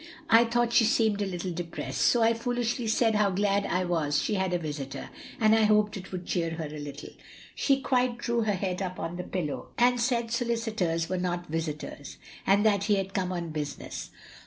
I thought she seemed a little depressed, so I foolishly said how glad I was she had a visitor, and I hoped it would cheer her a little; she quite drew her head up on the pillow, and said solicitors were not visitors f and that he had come on business.